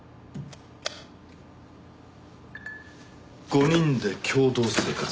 ５人で共同生活。